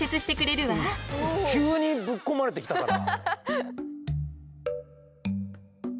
急にぶっ込まれてきたから。